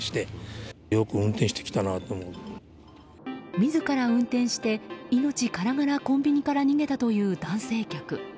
自ら運転して命からがらコンビニから逃げたという男性客。